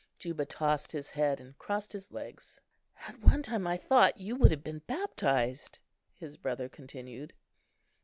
Juba tossed his head, and crossed his legs. "At one time I thought you would have been baptized," his brother continued.